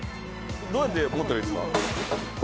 どうやって持ったらいいですか？